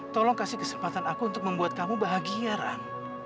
tolong kasih kesempatan aku untuk membuat kamu bahagia ran